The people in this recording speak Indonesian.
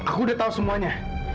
aku udah tahu semuanya